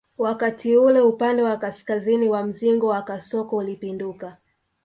Wakati ule upande wa kaskazini wa mzingo wa kasoko ulipinduka